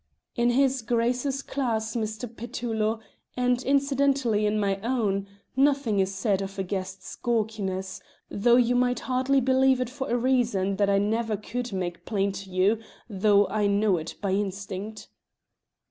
"In his Grace's class, Mr. Petullo, and incidentally in my own, nothing's said of a guest's gawkiness, though you might hardly believe it for a reason that I never could make plain to you, though I know it by instinct."